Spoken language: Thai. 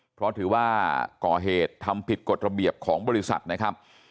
เพราะถือว่าก่อเหตุทำผิดกฎระเบียบของบริษัทนะครับ